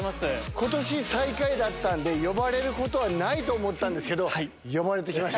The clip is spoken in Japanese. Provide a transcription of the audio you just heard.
ことし最下位だったんで、呼ばれることはないと思ったんですけど、呼ばれてきました。